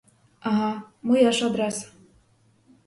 Ага, моя ж адреса.